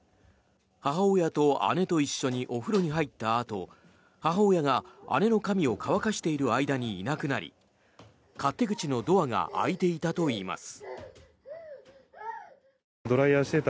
母親と姉と一緒にお風呂に入ったあと母親が姉の髪を乾かしている間にいなくなり勝手口のドアが開いていたといいます。